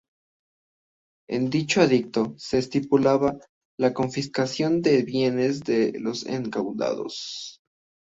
En dicho edicto se estipulaba la confiscación de bienes de los encausados.